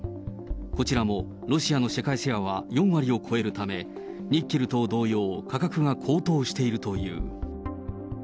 こちらも、ロシアの世界シェアは４割を超えるため、ニッケルと同様、価格が高騰しているという。